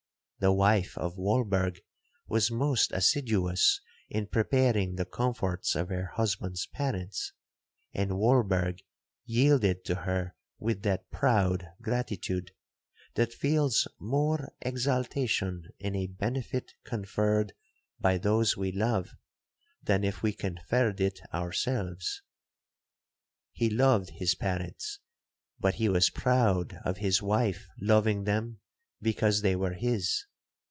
The wife of Walberg was most assiduous in preparing the comforts of her husband's parents, and Walberg yielded to her with that proud gratitude, that feels more exaltation in a benefit conferred by those we love, than if we conferred it ourselves. He loved his parents, but he was proud of his wife loving them because they were his.